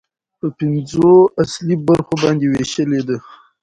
په پنځو اصلي برخو باندې ويشلې ده